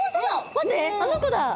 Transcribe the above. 待ってあの子だ！